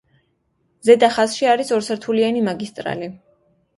ზედა ხაზში არის ორსართულიანი მაგისტრალი.